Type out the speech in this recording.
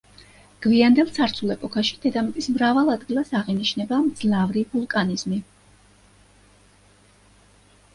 გვიანდელ ცარცულ ეპოქაში დედამიწის მრავალ ადგილას აღინიშნება მძლავრი ვულკანიზმი.